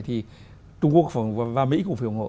thì trung quốc và mỹ cũng phải ủng hộ